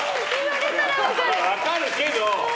分かるけど！